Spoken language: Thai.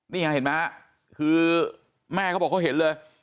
นี่เห็นไหมฮะคือแม่เขาบอกเขาเห็นเลย